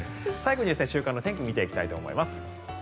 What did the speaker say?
最後に週間の天気を見ていきたいと思います。